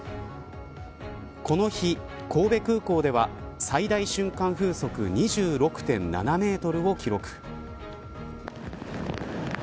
この日、神戸空港では最大瞬間風速２６．７メートルを記録。